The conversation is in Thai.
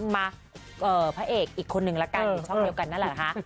มาพระเอกอีกคนนึงละกันอยู่ช่องเดียวกันนั่นแหละค่ะ